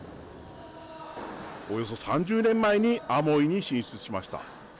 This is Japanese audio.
およそ３０年前にアモイに進出しました。